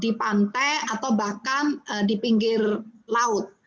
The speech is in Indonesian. di pantai atau bahkan di pinggir laut